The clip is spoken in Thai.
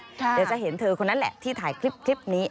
เดี๋ยวจะเห็นเธอคนนั้นแหละที่ถ่ายคลิปนี้